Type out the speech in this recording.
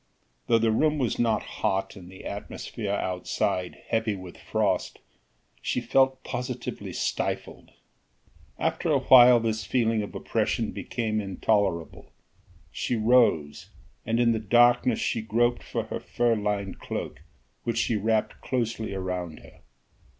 Though the room was not hot, and the atmosphere outside heavy with frost, she felt positively stifled. After a while this feeling of oppression became intolerable, she rose, and in the darkness she groped for her fur lined cloak which she wrapped closely around her.